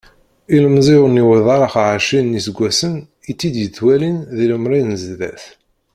Ilemẓi ur niwiḍ ara ɛecrin n yiseggasen i tt-id-yettwalin di lemri n sdat.